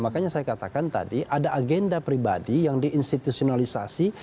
makanya saya katakan tadi ada agenda pribadi yang diinstitutionalisasi